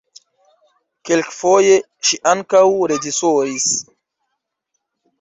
Kelkfoje ŝi ankaŭ reĝisoris.